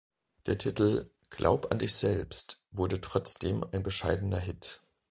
Der Titel "Glaub an dich selbst" wurde trotzdem ein bescheidener Hit.